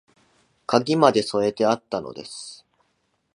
鍵まで添えてあったのです